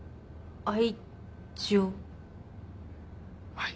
はい。